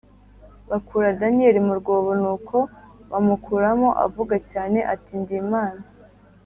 bakura Daniyeli mu rwobo Nuko bamukuramo avuga cyane ati ndimana